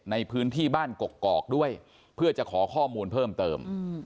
ในพื้นที่บ้านกกอกด้วยเพื่อจะขอข้อมูลเพิ่มเติม